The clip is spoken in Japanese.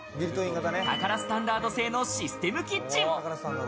タカラスタンダード製のシステムキッチン。